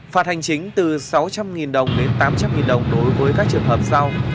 phạt hành chính từ sáu trăm linh đồng đến tám trăm linh đồng đối với các trường hợp sau